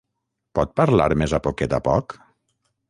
Pot parlar més a poquet a poc?